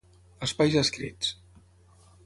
Espais Escrits.